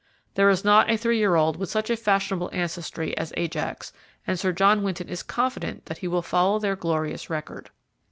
There is not a three year old with such a fashionable ancestry as Ajax, and Sir John Winton is confident that he will follow their glorious record."